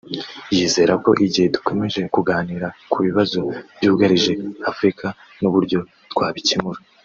yizera ko igihe dukomeje kuganira ku bibazo byugarije Afurika n’uburyo twabikemura